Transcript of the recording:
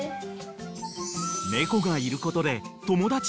［猫がいることで］